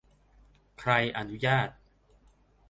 ใครอนุญาต